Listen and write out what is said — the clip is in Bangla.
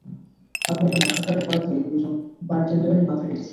আপনি একটা মাংস কাটার করাত দিয়ে দুইজন বারটেন্ডারের মাথা কেটেছেন।